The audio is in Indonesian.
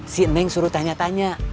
si neng suruh tanya tanya